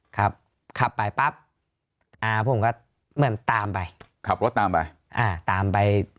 ขับขับไปปั๊บอ่าผมก็เหมือนตามไปขับรถตามไปอ่าตามไป